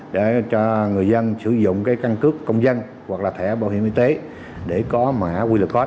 để cho người dân sử dụng căn cước công dân hoặc là thẻ bảo hiểm y tế để có mã qr code